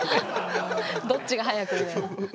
どっちが早くね。